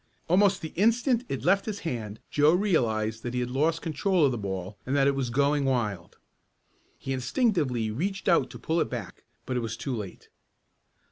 Almost the instant it left his hand Joe realized that he had lost control of the ball and that it was going wild. He instinctively reached out to pull it back, but it was too late.